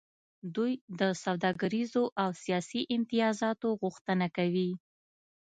دوی د سوداګریزو او سیاسي امتیازاتو غوښتنه کوي